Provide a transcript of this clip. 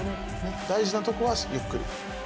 大事なとこはゆっくり。